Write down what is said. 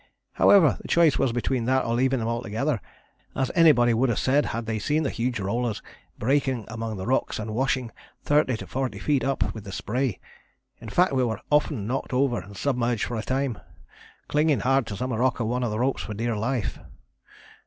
However, the choice was between that or leaving them altogether, as anybody would have said had they seen the huge rollers breaking among the rocks and washing 30 to 40 feet up with the spray; in fact, we were often knocked over and submerged for a time, clinging hard to some rock or one of the ropes for dear life.